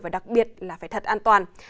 và đặc biệt là phải thật an toàn